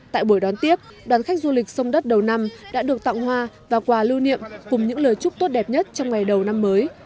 tại buổi đón tiếp đoàn khách du lịch sông đất đầu năm đã được tặng hoa và quà lưu niệm cùng những lời chúc tốt đẹp nhất trong ngày đầu năm mới